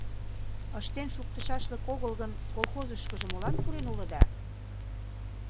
— Ыштен шуктышашлык огыл гын, колхозышкыжо молан пурен улыда?